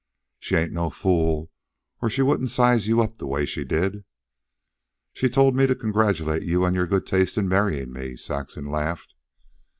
"She ain't no fool, or she wouldn't a sized you up the way she did." "She told me to congratulate you on your good taste in marrying me," Saxon laughed.